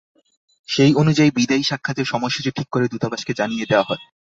সেই অনুযায়ী বিদায়ী সাক্ষাতের সময়সূচি ঠিক করে দূতাবাসকে জানিয়ে দেওয়া হয়।